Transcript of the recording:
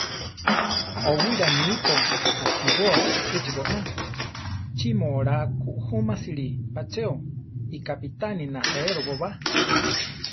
Ówila nipo; ásiboo échi goná; ¿chí mu oláa ku júmasili pa cheo? ikápitane nasaérobo ba.